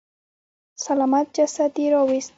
سلامت جسد يې راويست.